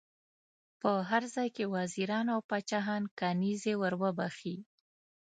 په هر ځای کې وزیران او پاچاهان کنیزي ور بخښي.